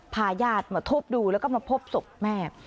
ญาติมาทุบดูแล้วก็มาพบศพแม่